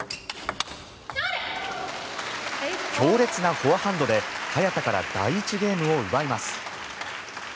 強烈なフォアハンドで早田から第１ゲームを奪います。